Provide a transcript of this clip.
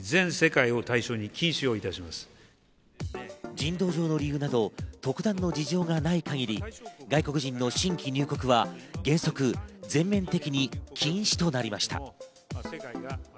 人道上の理由など、特段の理由がない限り、外国人の新規入国は原則、全面的に禁止となりました。